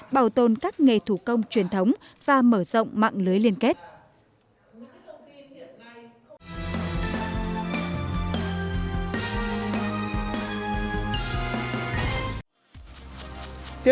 bảo tồn các nghề thủ công truyền thống và mở rộng mạng lưới liên kết